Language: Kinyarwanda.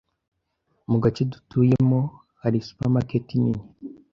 Mu gace dutuyemo hari supermarket nini.